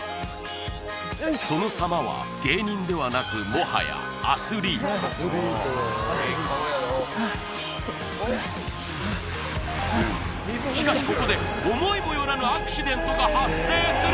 そのさまは芸人ではなくしかしここで思いも寄らぬアクシデントが発生する